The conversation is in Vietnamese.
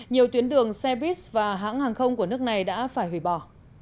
nhiều tuyến đường xe buýt và hãng hàng không của nước này đã phải hủy bỏ